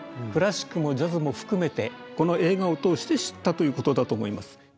クラシックもジャズも含めてこの映画を通して知ったということだと思います。